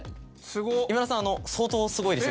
今田さん相当すごいです。